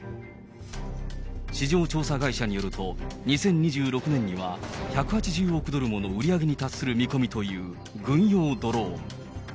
市場調査会社によると、２０２６年には１８０億ドルもの売り上げに達する見込みという軍用ドローン。